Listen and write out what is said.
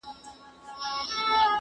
ايا ته درسونه اورې،